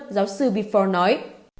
giáo sư bifor nói